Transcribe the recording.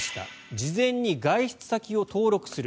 事前に外出先を登録する。